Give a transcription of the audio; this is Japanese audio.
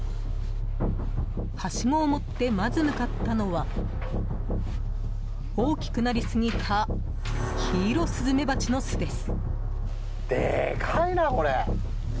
はしごを持ってまず向かったのは大きくなりすぎたキイロスズメバチの巣です。